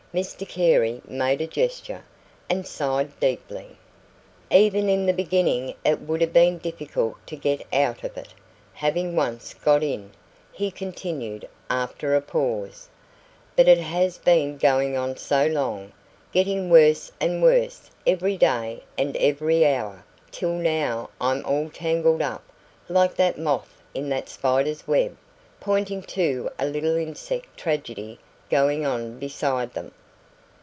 Mr Carey made a gesture, and sighed deeply. "Even in the beginning it would have been difficult to get out of it, having once got in," he continued, after a pause; "but it has been going on so long, getting worse and worse every day and every hour, till now I'm all tangled up like that moth in that spider's web" pointing to a little insect tragedy going on beside them.